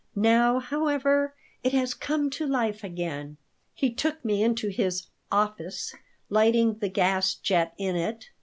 Now, however, it has come to life again." He took me into his "office," lighting the gas jet in it.